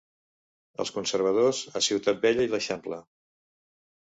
Els conservadors a Ciutat Vella i l'Eixample.